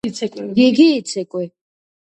გიგი იცეკვე